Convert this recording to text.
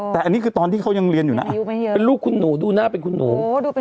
แต่อันนี้คือตอนที่เขายังเรียนอยู่นะเป็นลูกคุณหนูดูหน้าเป็นคุณหนู